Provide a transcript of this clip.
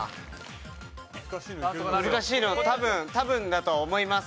難しいの多分多分だと思います。